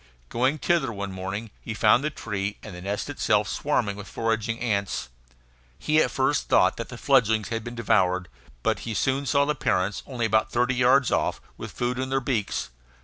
Going thither one morning, he found the tree, and the nest itself, swarming with foraging ants. He at first thought that the fledglings had been devoured, but he soon saw the parents, only about thirty yards off, with food in their beaks.